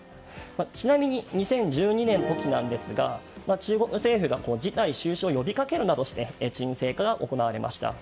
ちなみに２０１２年の時ですが中国政府が事態収拾を呼びかけるなどして沈静化が行われました。